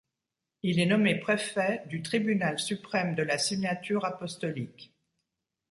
Il est nommé préfet du tribunal suprême de la Signature apostolique.